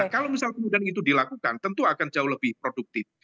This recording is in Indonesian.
kalau misal kemudian itu dilakukan tentu akan jauh lebih produktif